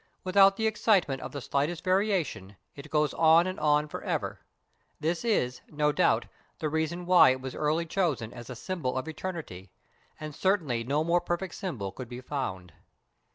Without the excitement of the slightest variation it goes on and on for ever. This is, no doubt, the reason why it was early chosen as a symbol of Eternity, and certainly no more perfect symbol could be found.